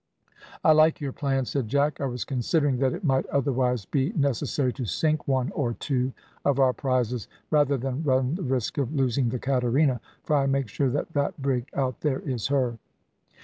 "I like your plan," said Jack; "I was considering that it might otherwise be necessary to sink one or two of our prizes rather than run the risk of losing the Caterina, for I make sure that that brig out there is her."